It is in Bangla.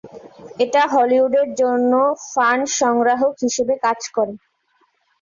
এটা হলিউডের জন্য ফান্ড সংগ্রাহক হিসেবে কাজ করে।